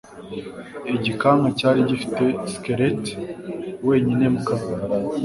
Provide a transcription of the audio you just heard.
Igikanka cyari gifite skeleti wenyine mu kabati.